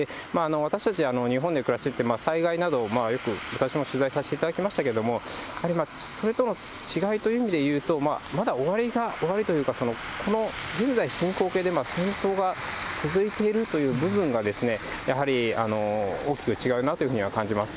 私たち、日本で暮らしていて、災害などをよく私も取材させていただきましたけれども、やはりそれとの違いという意味でいうと、まだ終わりが、終わりというか、この現在進行形で戦争が続いているという部分が、やはり大きく違うなというふうには感じます。